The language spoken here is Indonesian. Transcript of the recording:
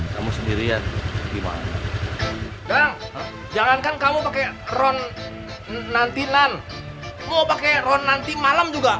kamu pake ron nanti malem juga